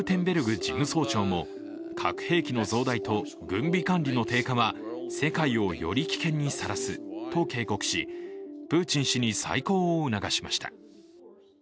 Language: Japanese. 事務総長も核兵器の増大と軍備管理の低下は世界をより危険にさらすと警告し、プーチン氏に再考を促しました。